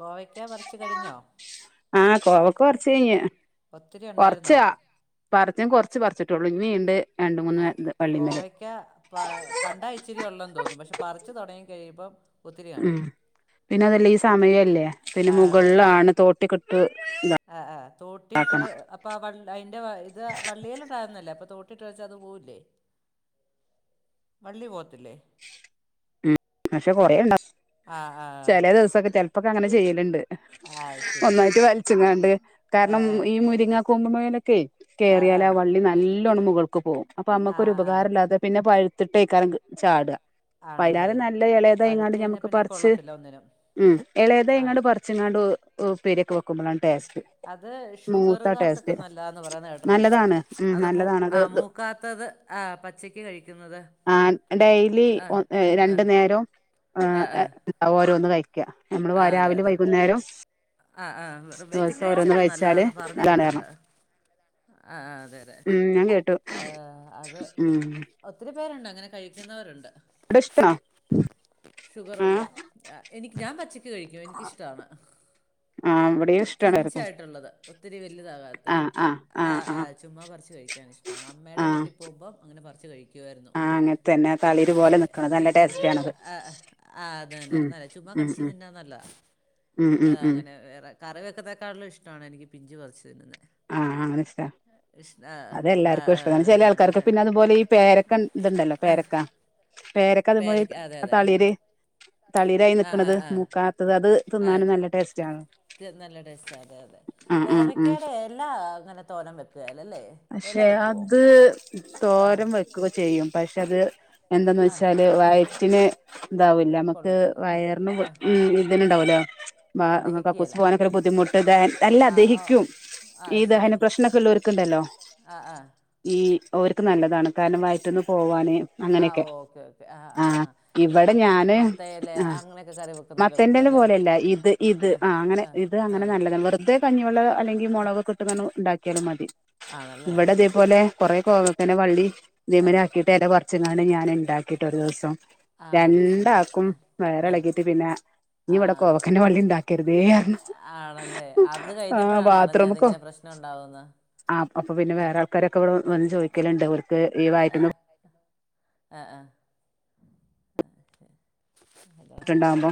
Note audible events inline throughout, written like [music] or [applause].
കോവയ്ക്ക പറിച്ച് കഴിഞ്ഞോ ആഹ് കോവക്ക പറിച്ചു കഴിഞ്ഞു ഒത്തിരി ഉണ്ടായിരുന്നോ കൊറച്ചാ പറിച്ചു കുറച്ച് പറിച്ചിട്ടുള്ളൂ ഇനി ഇണ്ട് ആഹ് കോവയ്ക്ക കണ്ടാ ഇച്ചിരിയേ ഉള്ളെന്ന് തോന്നും പക്ഷെ പറിച്ചു തുടങ്ങി കഴിയുമ്പം ഒത്തിരി കാണും ഉം പിന്നെ അതല്ലേ ഈ സമയല്ലേ പിന്നെ ആ മുകളിലാണ് തോട്ടി കെ ആഹ് ആഹ് തോട്ടിയിട്ട് അപ്പ വ അതിന്റെ ഇത് വള്ളിയിലണ്ടാവുന്നല്ലേ അപ്പോ തോട്ടിട്ട് വലിച്ചാൽ അത് പോവൂല്ലേ [inaudible] വള്ളി പോവത്തില്ലേ ഉം പക്ഷെ കുറേ ഉണ്ട് ആഹ് ആഹ് ചെല ദിവസൊക്കെ ചെലപ്പൊക്കെങ്ങെ ചെയ്യലുണ്ട് ആഹ് ഒന്നായിട്ട് വലിച്ചങ്ങാണ്ട് കാരണം ആ ഈ മുരിങ്ങ കൊമ്പ്മേലൊക്കെ കയറിയാല് ആ വള്ളി നനീ ണ് മുകൾക്ക് പോകും അപ്പൊ നമ്മുക്ക ഒരുരു ആ ആ ഉപകാരമല്ലാതെ പിന്നെ പഴുത്തിട്ട് എയ്ക്കാരം ചാട അപ്പം ആണല്ലേ അയിലാറിം നല്ലത് ഇളയതാ പഴുത്ത് ഇങ്ങാണ്ട് കഴിഞ്ഞാൽ ഞമ്മക്ക് പിന്നെ പറച്ച് കൊള്ളത്തില്ല ഒന്നിനും ഉം ഇളയതായി ആ ഇങ്ങാണ്ട് പറിച്ച്ങ്ങാണ്ട് ഉപേരിയൊക്കെ വെക്കുമ്പോളാണ് ടേസ്റ്റ് മൂത്ത ടേസ്റ്റ് നല്ലാന്ന് പറയുനേട്ട്ട്ടുണ്ട് നല്ലതാണ് ഉം അത് നല്ലതാണത് മൂക്കാത്തത് ആ പച്ചക്ക് കഴിക്കുന്നത് ആ ഡെയിലി രണ്ടു നേരം ആഹ് ആഹ് ഓരോന്ന് കഴിക്കുക നമ്മള് രാവിലെ വൈകുന്നേരം ആഹ് ആഹ് വെറും വയറ്റിൽ ദിവസം കഴിച്ച ഓരോന്ന് അത് കഴിച്ചാല് നല്ലതാന്ന് പറഞ്ഞ് നല്ലതാണ് കാരണം കേട്ടിട്ടുണ്ട് ആഹ് ആഹ് അതെ അതെ ഉം ഞാൻ കേട്ടു ആഹ് അത് ഉം ഒത്തിരി പേരുണ്ട് അങ്ങനെ കഴിക്കുന്നവരുണ്ട് ഇവിടെ ഇഷ്ടാണോ ആ ഷുഗറുള്ള എനിക്ക് ഞാൻ പച്ചക്ക് കഴിക്കും എനിക്കിഷ്ടമാണ് ആഹ് പിഞ്ച് ആയിട്ടുള്ളത് ഒത്തിരി വലുതാകാത്തെ ആ ആ ആ ആഹ് ആ ആ ആഹ് ചുമ്മാ പറിച്ചച്ച് കഴിക്കാൻ ഇഷ്ടമാണ് അമ്മയുടെ വീട്ടിൽ ആ പോകുമ്പം അങ്ങനെ പറിച്ച് കഴിക്കും കഴിക്കായിരുന്നു അങ്ങനെ തന്നെ തളിര് അങ്ങനത്തെ പോലെ നിക്കണത് നല്ല കഴിക്കുന്നൊരു ടേസ്റ്റാണത് ആ അത് തന്നെ ഉം ന ചുമ്മാ ഉം ഉം കടിച്ചതിന്നാ നല്ല ഉം ഉം ഏഹ് ഉം അങ്ങനെ വേറെ കറി വെക്കത്തേക്കാളും ഇഷ്ടമാണ് എനിക്ക് പിഞ്ചു പറിച്ച് തിനുന്നത് ആഹ് ആഹ് ഇഷ്ട്ടാ ആ അതെല്ലാർക്കും ഇഷ്ട്ടാ ചില ആ ആൾക്കാർക്ക് അതുകൊണ്ട് പിന്നെ അതുപോലെ ഈ പേരക്ക ഇതുണ്ടല്ലോ പേരക്ക പേരൊക്കെ അതു പോലെ പേരയ്ക്ക അതെ അതെ തളീര് തളീരായി ആ ആ നിക്ക്ണത് ആ മൂക്കാത്തത് അത് ആ തിന്നാനും നല്ല ടേസ്റ്റ് ആണ് ത- നല്ല ടേസ്റ്റ് അതെ അതെ ആഹ് ആഹ് ആഹ് കോവക്കയുടെ എല അങ്ങനെ തോരം വെക്കുക അല്ലേ പക്ഷേ അത് ആ തോരം വെക്കുക ചെയ്യും പക്ഷെ അത് എന്താെന്ന് വെച്ചാല് വയറ്റിന് ഇതാവൂല നമ്മുക്ക് കൊള്ളത്തില്ല വയറിന് ആ ഉ ഇതിനന്ണ്ടാവല്ലോ അത് കക്കൂസ് ദഹിക്കുകേല പോവനൊക്കെ ബുദ്ധിമുട്ട് അല്ല ആ ഓ ദഹിക്കും ആ ഈ ശരി ദഹന പ്ര്രശ്നമൊക്കെ ഉള്ളവർക്ക്ണ്ടല്ലോ ആ ആ ഈ ഓർക്ക് നല്ലതാ ക്കാനും വറ്റന്ന് പോവാനും ആ അങ്ങനെയൊക്കെ ഓക്കെ ഓക്കെ ആ ഈ ഇവിടെ മത്ത ഞാന് മത്തയില ആഹ് അങ്ങനെയൊക്കെ കറി വെക്കുന്ന പോലെ മത്തന്റെ വെക്കും ഇല അല്ലേ പോലെ അല്ല ഇത് ഇത് ആ ആഹ് അങ്ങനെ ആ ഇത് ആ അങ്ങനെ നല്ലതാണ് വെറുതെ കഞ്ഞി വെള്ള അല്ലെങ്കിൽ മുളക് ഇട്ട് ക്കാണ്ട് ഇണ്ടാക്കിയാലും മതി ആണല്ലേ ഇവിടെ അതേപോലെ കൊറെ കോവക്കന്റെ വള്ളി ഇതേ ആ മാതിരി ആക്കിയിട്ട് ഇല പറിച്ചുകാണ്ട് ഞാൻ ഉണ്ടാക്കി ട്ട് ഒരു ദിവസം ആ അത് രണ്ട് ശരി ആക്കും വയറ് ആ ഇളകിയിട്ട് പിന്നെ ഇഞ് ആ ആ ഇവിടെ കോവക്കന്റെ വള്ളി ഉണ്ടാക്കരുതേ പറഞ്ഞു ആണല്ലേ ആ ബാത്റൂമക്കോ ന്ന ഉണ്ടാവുന്ന ആ അപ്പൊ പിന്നെ വേറെ ആൾക്കാരൊക്കെവിടെ വന്ന് ചോദിക്കലുണ്ട് ഓൽക്ക് ഈ വയറ്റ് ന്ന് ആഹ് ആഹ് ആഹ് ഹലോ ണ്ടാവുമ്പോ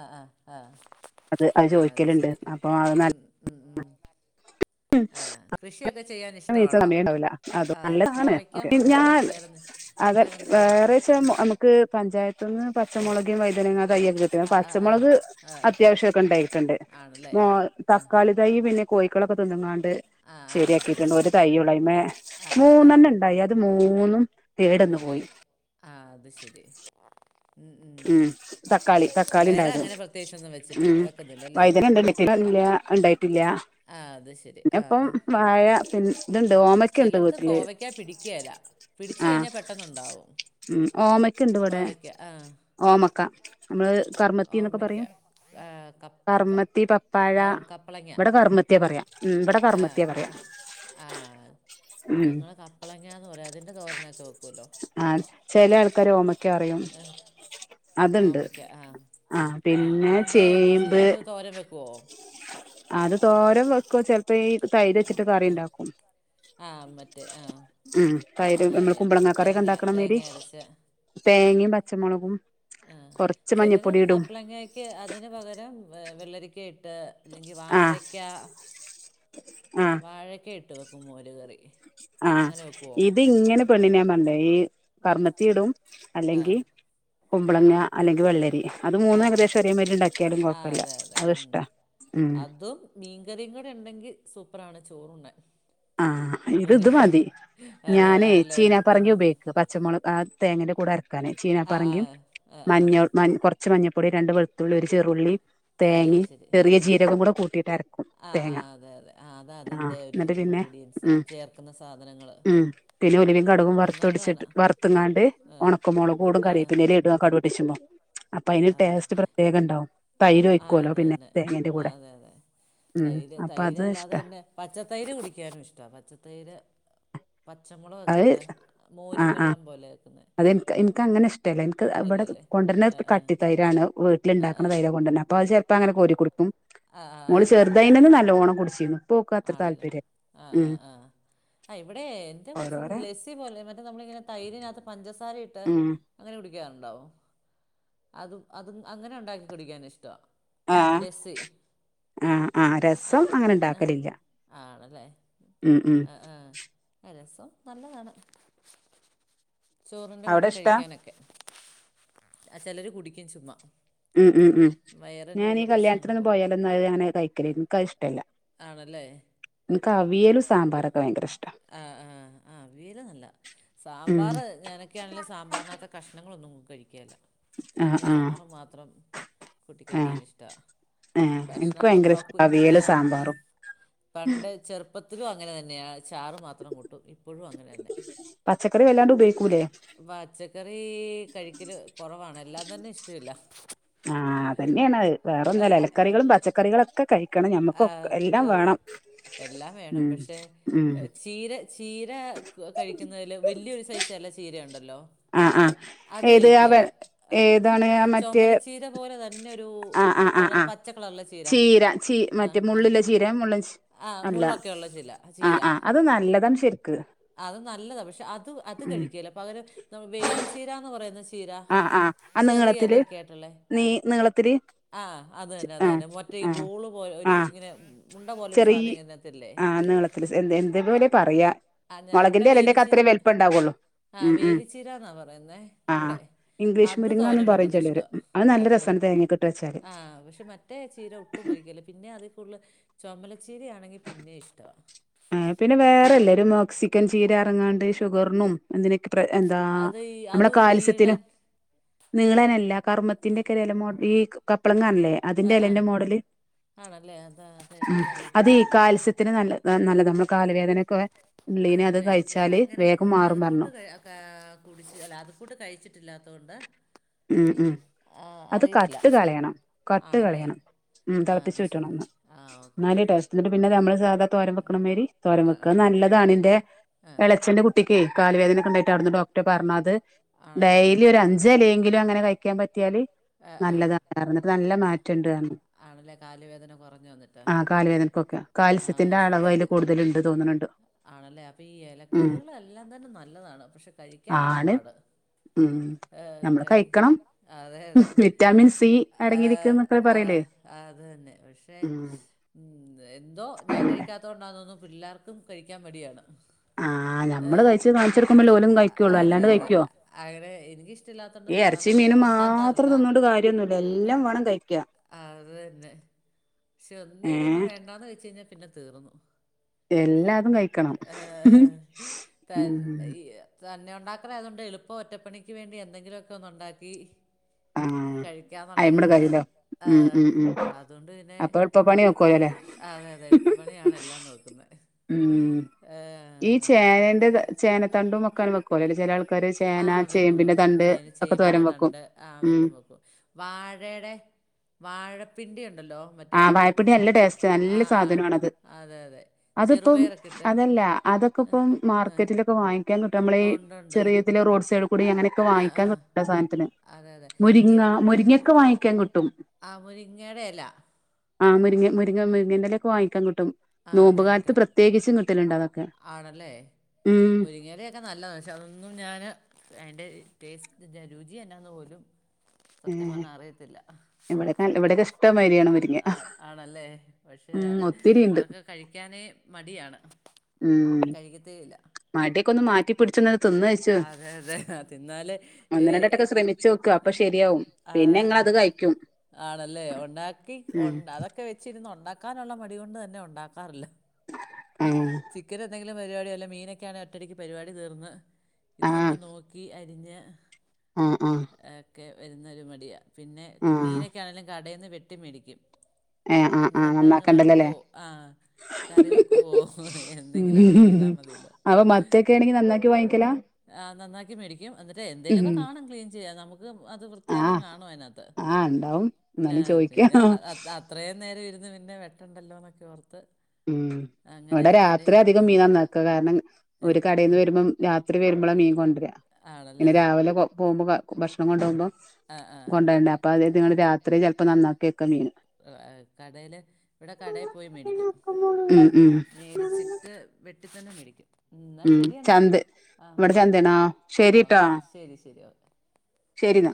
ആഹ് ആഹ് ആഹ് അത് ആഹ് അത് ചോദിക്കലുണ്ട് ശരി അപ്പൊ ഉം ഉം ഉം ആ കൃഷിയൊക്കെ ചെയ്യാൻ [unintelligible] ഇഷ്ടമാണോ സമയം ഉണ്ടാവൂല അത ആ നല്ലതാണ് കോവയ്ക്ക മാത്രമേ ഉള്ളൂ അതോ ഞാൻ വേറെ എന്ത്- അതെ വേറെ എന്തേലും ആ വേറെച്ച നമുക്ക് പഞ്ചായത്തു നിന്ന് പച്ചമുളകും വഴുതനങ്ങ തൈയെക്കെ കിട്ടി ആ ആ ആ പച്ചമുളക് ആ അത്യാവശ്യം ഒക്കെ ഉണ്ടായിട്ടുണ്ട് ആണല്ലേ മു ആ തക്കാളി തൈ പിന്നെ കോഴിക്കളൊക്കെ തിന്ന് ങ്ങാണ്ട് ആ ആ ശരി ശരിയാക്കിട്ടുണ്ട് ശരി ഒരു തൈ ഒള്ളൂ അയ്മേ ആ ആ ആ മൂന്നെണ് ഉണ്ടായി അത് മൂന്നും കേടന്ന് കോഴി പോയി ആഹ് അത് ശരി ഉം ആ തക്കാളി തക്കാളി വേറെ ഉണ്ടായത് അങ്ങനെ പ്രത്യേകിച്ചൊന്നും വെച്ചിട്ടില്ല ഉം വെക്കുന്നില്ല അല്ലേ വൈദ്യന [unintelligible] ഉണ്ടായിട്ടില്ല ആ അത് ശരി പിന്നെ ആഹ് ഇപ്പം വായ പിന്നെ ആ ചിലടത്ത് കോവയ്ക്കാ പിടിക്കേല പിടിച്ച ആ കഴിഞ്ഞാ പെട്ടന്നുണ്ടാവും ഉം ഓമയ്ക്കുണ്ട് ഇവിടെ കോവയ്ക്ക ആഹ് ഓമക്ക നമ്മള് കർമ്മത്തി എന്നൊക്കെ ഓമയ്ക്ക പറയും ആ, കപ്പ ക- കർമ്മത്തി, പപ്പാഴ ആ, കപ്പളങ്ങ ഇവിടെ കർമ്മത്തിയ പറയാ ഉം ഇവിടെ കറമത്തിയാ പറയാം ആഹ് ഞങ്ങള് കപ്പളങ്ങന്ന് പറയാ അതിന്റെ തോരനൊക്കെ വെക്കൂല്ലോ ആഹ ചില ആൾക്കാര ഓമ ആ ഓമക്ക ആഹ് ആ ആഹ് പിന്നെ അതിന്റെ എന്ത് ചേമ്പ് അത് തോരൻ വെക്കുവോ അത് തോരം വെക്ക ചെലപ്പോ ഈ തൈര് വെച്ചിട്ട് കറിണ്ടാക്കും ആ മറ്റേ ആ ഉം തൈര് ആ നമ്മൾ അറിയാം കുമ്പളങ്ങ കറിക്കെ തേങ്ങ ഇണ്ടാക്കണമരി തേങ്ങ അരച്ച് തേങ്ങയും പച്ചമുളകും ആഹ് കൊറച്ച് ചിലര് മഞ്ഞപ്പൊടി ഇടും കപ്പളങ്ങ അതിന് പകരം വെള്ളരിക്ക ഇട്ട് അല്ലെങ്കി ആ വാഴക്ക ആ വാഴക്കെ ഇട്ട് വെക്കും മോര് കറി ആഹ് അങ്ങനെ വെക്കുമോ ഇത് ഇങ്ങനെ പെണ്ണിനാ മണ്ട ഈ കർമ്മത്തിയിടും ആ അല്ലെങ്കിൽ കുമ്പളങ്ങ അല്ലെങ്കിൽ വെള്ളരി അത് ആ മൂന്ന ഏകദേശം ഒരേ മേതി ഉണ്ടാക്കിയാലും ആ കുഴപ്പല്ല അതെ അതെ ഉം. അത്ഷ്ട ഉം അതും മീൻകറിയും കൂടെ ഉണ്ടെങ്കിൽ സൂപ്പറാണ് ചോറുണ്ണാൻ ആഹ ഇ മോര് ഇത് മതി അതെ ഞാന് ആണല്ലേ ചീന ഏ. പറങ്കി ഉപയോഗിക്ക പച്ചമുളക് ആ തേങ്ങേന്റെ കൂടെ ഇരക്കാനേ ആ ആ ചീനപ്പറങ്കി ആ ആ മഞ്ഞൾ മ കുറച്ച് മഞ്ഞൾപ്പൊടി രണ്ട് വെളുത്തുള്ളി ഒരു ചെറുള്ളി ആഹ് തേങ്ങയും ശരി ചെറിയ ആഹ് ജീരകം കൂടെ കൂട്ടിയിട്ട് അരക്കും ആഹ് തേങ്ങ ആഹ് അതെ അതെ ആ അത ആ അതിന്റെ ഒരു എന്നിട്ട് പിന്നെ ഇൻഗ്രീഡിയൻസ് ഉം ചേർക്കുന്ന സാധനങ്ങൾ ഉം പിന്നെ ഒലിവികടകും വറുത്തടിച്ചിട്ട് നല്ലതാണ് വർത്‌ങ്ങാണ്ട് ആ ഉണക്കുമോളക് കൂടും ആ ആ കറിപ്പന്നേ ഇടുന്ന കടുപടിച്ചുമ്പോ അപ്പൊ അതിന് ആ ടേസ്റ്റ് പ്രത്യേകംണ്ടാവും തൈര് ആ, ഒയ്ക്കുവല്ലോ അത് പിന്നെ തന്നെ തേങ്ങന്റെ ആ കൂടെ അതെ അതെ ഉം തൈര് അപ്പൊ അത് ഇഷ്ട തൈരല്ലാതെ തന്നെ പച്ചത്തൈര് കുടിക്കാനും ഇഷ്ട പച്ചത്തൈര് അത് പച്ചമുളകൊക്കയിട്ടാമോരും വെള്ളം പോലെ വക്കുന്നത് ഇൻക്ക് അങ്ങനെ റ്റല്ല എനിക്ക് ഇവിടെ ആ കൊണ്ടുവന്നുന്ന ആ കട്ടി തൈരാണ് ആ ആ വീട്ടിൽണ്ടാക്ക്ണ തൈര് കൊണ്ടുവന്നെ അപ്പൊ അത് ഇപ്പ അങ്ങനെ കോരിരിക്കടുക്കും ആ ആ നിങ്ങള് അത് ശരി ചെറുതയ്ന്നെ ശരി നല്ല ഓണം കുടിച്ചിരുന്നു ഇ ആണല്ലേ ആഹ് ആ ആഹ് ആ ഇവിടെ എന്റെ കൊച്ച ഓരോരെ ലസി പോലെ മറ്റേ നമ്മളിങ്ങനെ തൈര്നകത്ത് പഞ്ചസാര ഇട്ട് ഉം അങ്ങനെ കുടിക്കാറുണ്ടാവോ അതും അതും അങ്ങനെ ഉണ്ടാക്കി കുടിക്കാനൻ ഇഷ്ടമാണ് ആഹ് ആഹ് ആഹ് ആ രസം അങ്ങനെ ഉണ്ടാക്കലില്ല ആണല്ലേ ഉം ഉം ആഹ് ആഹ് രസം നല്ലതാണ് ചോറിന്റെ കൂടെ അവിടെ ഇഷ്ടാ കഴിക്കാനൊക്കെ ചിലര് കുടിക്കും ചുമ്മാ ഉം ഉം ഞാൻ ഈ വയറിനുള്ള പ്രശ്നങ്ങൾ കല്യാണത്തിന്ന് പോകും പോയാലോത് അങ്ങനെ കഴിക്കല് എനിക്കത് ഇഷ്ടല്ല ആണല്ലേ എനികഅവിലും സാമ്പാറൊക്കെ ഭയങ്കര ഇഷ്ടം ആ ആ ആ അവിയൽ നല്ല സാമ്പാർ ഞാനൊക്കെയാണെങ്കിലും സാമ്പാറിനകത്ത കഷണങ്ങ ഒന്നും കഴിക്കല്ല ആഹ് ആഹ് അതിൻ്റെചാറ് മാത്രം കുട്ടി കഴിക്കാൻ ആഹ് ഇഷ്ടാ ഏഹ് എനിക്ക് കഷണങ്ങ ഭയങ്കര ഇഷ്ട ഇപ്പ ആ അവിയലും സാമ്പാറും പണ്ട് ചെറുപ്പത്തിലും അങ്ങനെ തന്നെയ ചാറ് മാത്രം കൂട്ടു ഇപ്പോഴും അങ്ങനെ തന്നെ പച്ചക്കറി വല്ലാണ്ട് ഉപയോഗിക്കൂലേ പച്ചക്കറി കഴിക്കല് കുറവാണ് എല്ല തന്നെ ഇഷ്ടില്ല ആഹ് അതന്നെയാണ് വേറെന്നല്ല ഇലക്കറികളും പച്ചക്കറികളും ഒക്കെ കഴി ആഹ് അഹ് എല്ലാം വേണം ഉം പക്ഷെ ഉം എ ചീര ചീര കഴിക്കുന്നതില് വല്യൊരു സൈസ് എല ചീര ഉണ്ടല്ലോ? ആഹ് ആഹ് അത് ഏത് ആ വെ കഴിക്കേലാ എ ഏതാണ് ആ എ മറ്റേ ചൊമലച്ചീര പോലെ ത പിന്നൊരു കളർ പച്ച കളറ്ള്ള ചീര ര ചീ മറ്റേ മുള്ള് ഇള്ള ചീര മുള്ളച്ചീ ആഹ് മുള്ളൊക്കെ ഒള്ള ചില ചീര അത് നല്ലതാണ് ശരിക്ക് അത് നല്ലതാ പക്ഷെ അത് അത് ഉം കഴിക്കേല്ല പകരം നമ് വേലിച്ചീരാന്ന് പറയുന്ന ചീ ചീരാ ആഹ് ആഹ് ആ ചെറിയ നീളത്തില് എലെയെക്കെ ആയിട്ടുള്ളേ നീ നീളത്തില് ആഹ് അത് തന്നെ അത് ആഹ് തന്നെ മറ്റെ ബോള് പോലെ ഒരു ഇങ്ങനെ ഉം ചെറീ ആ നീളത്തില് സ് എ എന്തേതുപോലെ പറയാ ആ മൊളകിന്റെ എലെന്റെക്കെ അത്രേ വലിപ്പണ്ടാവുള്ളു ആഹ് വേലിച്ചീരാന്നാ പറയുന്നേ ആഹ് ഇവിടെ ഇംഗ്ലീഷ് അത് മുരിങ്ങാന്നും തോരൻ പറയും വെക്കുന്ന ചിലര് ഇഷ്ട്ടാ അത് നല്ല ആഹ് ആഹ് രസാണ് തേങ്ങക്കിട്ട് വെച്ചാല് ആഹ് പക്ഷെ മറ്റ് മറ്റേ ചീര ഒട്ടും കഴിക്കേല്ല പിന്നെ അതി കൂടല് ചൊമലച്ചീരയാണെങ്കി പിന്നെ ഇഷ്ട്ടവാ ആഹ് പിന്നെ വേറെല്ല ഒരു മൊക്സിക്കൻ ചീര ഇർങ്ങാണ്ട് ഷുഗർനും എന്തിനൊക് പ്രെ എന്താ അത് ഈ നമ്മളെ അതും ഒരു കാൽസ്യത്തിനും നീളൻ നീളെനല്ല കർമ്മത്തിന്റെക്കെല ഒര് എല മോഡല് ഈക്ക് കപ്പളങ്ങ പർഞ്ഞില്ലേ ആ ആ അതിന്റെലെന്റെ മോഡല് ആണല്ലേ അത് അത് ഉം ഈ അതീ അതറിയത്തില്ല എന്നെങ്കിൽ കാൽസ്യ ത്തിന് നല്ല നല്ലതാ നമ്മള് കാല വേദനൊക്കെ ഇള്ളീനെ അത് ആണല്ലേ കഴിച്ചാല് വേഗം മാറും പറഞ്ഞു ഏഹ് കുടിച്ച് അല്ല അതുകൂട്ട് കഴിച്ചിട്ടില്ലാത്തതോണ്ട് ഉം ഉം അത് കട്ടുകളയണം ആണല്ലേ കട്ട്കളയണം ഉം ആ അത് തെളപ്പിച്ചൂറ്റണ്ണം ശരി ഒന്ന് ആ ഓക്കെ ഇന്നാലെ ഓക്കെ ടെസ്റ്റുള്ളൂ ഇന്ന്ട്ട് പിന്നെത് ഇമ്മള് സാധാ തോരം വെക്കണ മായിരി ആ തോരംവെക്കാ ആ അത് ആ നല്ലതാണ് ഇന്റെ ആ എളച്ചന്റെ കുട്ടിക്കെ കാല് വേദനക്കെ ഇണ്ടായിട്ട് അവിട്ന്ന് ഡോക്ടറ് പറഞ്ഞ അത് ആണല്ലേ ഡെയ്ലി ഒരഞ്ചെലെങ്കിലും അങ്ങനെ കഴിക്കാൻ പറ്റിയാല് ആ ആ നല്ലതാ [unintelligible] ഇന്നിട്ട് നല്ല മാറ്റണ്ട് പറഞ്ഞ് ആണല്ലേ കാലുവേദന കുറഞ്ഞു വന്നിട്ട് ആഹ് കാല് വേദനക്കൊക്കെ ആ കാൽസ്യത്തിന്റെ ശരി അളവ് അയില് ശരി കൂട്തല്ണ്ട് തോന്നണ് ഇണ്ട് ആണല്ലേ അപ്പൊ ഈ എലക്കറികള് എല്ലാം തന്നെ നല്ലതാണ് പക്ഷെ കഴിക്കാനാണ് ആണ് പാട്. ഉം ഏ, ഞമ്മള് കഴി കഴിക്കണം അതെ അതെ വിറ്റാമിൻ സി ആഹ് അടങ്ങിയിരിക്കുന്നൊക്കെ പറയിലേ ആഹ് അത് തന്നെ പക്ഷേ ഉം ഉം എന്തോ ഞാൻ അല്ലേ കഴിക്കാത്തോണ്ടാ തോനുന്നു പിള്ളേർക്കും കഴിക്കാൻ മടിയാണ് ആഹ് ആഹ് ഞമ്മള് കഴിച്ച് കാണിച്ചൊടുക്കുമ്പല്ലെ ഓലും കഴിക്കുള്ളു അതെ അല്ലാണ്ട് അതെ കഴിക്കോ അങ്ങനെ എനിക്കിഷ്ടമില്ലാത്തോണ്ട് ഈ സാധാരണ ഇർച്ചി അങ്ങനെ മീനും മാത് മാത്രം ഉണ്ടാക്കാറില്ല തിന്നോണ്ട് കാര്യൊന്നൂല്യ എല്ലാം വേണം കഴി അത് തന്നെ പക്ഷെ എന്തേലൊന്ന് ഏ വേണ്ടാന്ന് വെച്ച് കഴിഞ്ഞാ പിന്നെ തീർന്നു എല്ലാതും കഴിക്കണം ഏഹ് തൻ ഉം തന്നെ ഒണ്ടാക്കലായത് കൊണ്ട് എളുപ്പം ഒറ്റപ്പണിക്ക് വേണ്ടി എന്തെങ്കിലുമൊക്കെ ഒന്ന് ഒണ്ടാക്കി ആഹ് കഴിക്കാന്നൊള്ളത് അയ്മട് കൊണ്ട് കഴിയൂലേ ഉം ആഹ് ഉം ഉം അതു കൊണ്ട് പിന്നെ അപ്പൊ എളുപ്പ പണി നോക്കുവല്ലോല്ലേ അതെ അതെ എളുപ്പപ്പണിയാണ് എല്ലാം നോക്കുന്നെ ഉം ഈ ചേനെന്റെത് ചേനത്തണ്ടും ഒക്കെ അങ്ങനെ വെക്കുവല്ലേ ചെല ആൾ ക്കരു ആ ചേന ചേമ്പിന്റെ തണ്ട് ഒക്കെ തോരം വെക്കും ആഹ് ഉം വെക്കും വെക്കും വാഴേടെ വാഴപ്പിണ്ടി ഉണ്ടല്ലോ? മറ്റേ ആ ആഹ് വാഴപ്പിണ്ടി നല്ല ടേസ്റ്റ് ആ നല്ല സാധനമാണത് ആ അതെ അതെ അതിപ്പം ചെറുപയറൊക്കെ ഇട്ട് അതല്ല അതൊക്കെപ്പം ആ മാർക്കറ്റിലൊക്കെ വാങ്ങി ക്കാൻകിട്ടും അമ്മളീ ഉണ്ട് ഉണ്ട് ചെറിയതില് റോഡ് സൈഡ് കൂടി അങ്ങനൊക്കെ വാങ്ങിക്കാൻ കിട്ടും ആ സാനത്തിനെ അതെ അതെ മുരിങ്ങ മുരിങ്ങൊക്കെ വാങ്ങിക്കാൻ കിട്ടും ആഹ മുരിങ്ങേടെ എല ആഹ് മുരിങ്ങ മുരിങ്ങമ്മ് മുരിങ്ങങ്ങന്റെലൊക്കെ വാങ്ങിക്കാൻ കിട്ടും ആ നോമ്പു അതെ കാലത്ത് കിട്ടുന്നുണ്ട് പ്രത്യേകിച്ചും കിട്ടല്ണ്ട് അതൊക്കെ ഉം ക്കെ നല്ലതാ പക്ഷെ അതൊന്നും ഞാന് അയിന്റെ ടേസ്റ്റ് രുചി എന്നാന്ന് പോലും സത്യം പറഞ്ഞാ അറിയത്തില്ല ഇവടെക്കെ നല്ല ഇവിടക്കെ ഇഷ് ത്തമരിയണം ആഹ് ആണല്ലേ പക്ഷേ അഹ് ഒത്തിരിണ്ട് അതൊക്കെകഴിക്കാനെ മടിയാണ് ഉം കഴിക്കത്തേയില്ല മടിക്കൊന്ന് മാറ്റി പിടിച്ചൊന്ന് തിന്ന് കഴിച്ചു അതെ അതെ തിന്നാല് ഏ ഒന്ന് രണ്ടട്ടൊക്കെ ശ്രമിച്ചോക്ക് അപ്പൊ ശരിയാവും ആ പിന്നെങ്ങളത് കഴിക്കും ആണല്ലേ ഒണ്ടാക്കി ഉം ഒണ്ടാ അതൊക്കെ വെച്ചിരുന്ന് ഒണ്ടാ ക്കാനൊള്ള മടികൊണ്ട് തന്നെ ഒണ്ടാക്കാറില്ല ഏഹ് ചിക്കന് എന്തേ ല്ലപരിപാടിയല്ലെ മീനൊക്കെയാണെ ഒറ്റടിക്ക് പരിപാടി തീർന്ന് ഇത് നമ്മള് നോക്കി അരിഞ്ഞ് ഉം ഉം അക്കെ വരുന്ന ഒരു മടിയാ പിന്നെ ആഹ് മീനൊക്കൊയാണെങ്കിലും കടേന്ന് വെട്ടി മേടിക്കും ഏഹ് ആഹ് പിന്നെ ആഹ് നമുക്ക് അങ്ങ് നന്നാക്കണ്ടല്ലോല്ലേ വറക്കുവോ ആഹ് കറി വെക്കുവോ എന്തെങ്കിലുവൊക്കെ ചെയ്താ ഉം മതിയല്ലോ അപ്പൊ മത്തിയൊക്കെ ആണെങ്കി നന്നാക്കി വാങ്ങിക്കലാ ആഹ് നന്നാക്കി മേടിക്കും എന്നിട്ട് ഉം എന്തേലുമൊക്കെ കാണും ക്ലീൻ ചെയ്യാൻ നമു ത് അത് വൃത്തിയാക്കാൻ ആഹ് കാണുവതിനാത്ത് ആഹ് ഇണ്ടാവും വെ എന്നാലും പിന്നെ ചോയിക്കാ അത് അത ത്രേം നേരം ഇരുന്ന് പിന്നെ വെട്ടെണ്ടല്ലോന്നോക്കെ ഓർത്ത് ഉം അങ്ങനെ ഇവിടെ കട രാത്രി അധികം മീൻ നന്നാക്ക കാരണം ഓര് കടേന്ന് വരുമ്പം രാത്രി വരുമ്പളാ മീൻ കൊണ്ടാര്യ ആണല്ലേ പിന്നെ രാവിലെ കൊ പോവുമ്പം ഭക്ഷണം കൊണ്ടോവുമ്പം ആ ആ കൊണ്ടോകണ്ടേ അപ്പ് അപ്പ അതേറ്റിങ്ങള് രാത്രി ചെലപ്പോ നന്നാക്കി വെക്കും മീന് കടേല് ഇവിടെ കടേ പോയി മേടി നോക്കുമ്പോള് ഉം ഉം മേടിച്ചിട്ട് വെട്ടിത്തന്നെ മേടിക്കും എന്നാ ഉം ശരിയെന്നാ ചന്ത് ആഹ് ഇവിടെ ചന്തയാണോ ആഹ് ശരിട്ടോ ശരി ശരി ഓക്കെ ശരിന്നാ